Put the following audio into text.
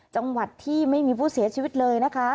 จังหวัดที่ไม่มีผู้เสียชีวิตเลยนะคะ